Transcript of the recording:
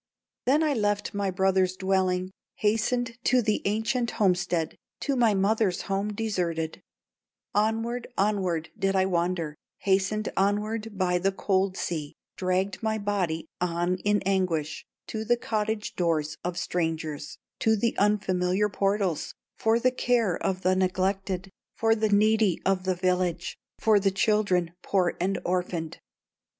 "Then I left my brother's dwelling, Hastened to the ancient homestead, To my mother's home deserted; Onward, onward did I wander, Hastened onward by the cold sea, Dragged my body on in anguish, To the cottage doors of strangers, To the unfamiliar portals, For the care of the neglected, For the needy of the village, For the children poor and orphaned.